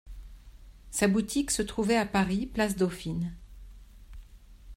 Sa boutique se trouvait à Paris, Place Dauphine.